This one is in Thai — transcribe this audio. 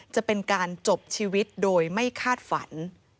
จะเป็นการจบชีวิตโดยไม่คาดฝัน